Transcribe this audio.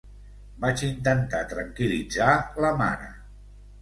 Vaig intentar tranquil·litzar la mare.